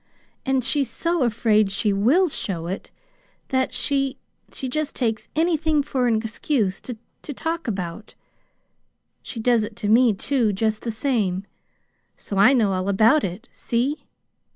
And she's so afraid she WILL show it that she she just takes anything for an excuse to to talk about. She does it to me, too, just the same. So I know all about it. See?"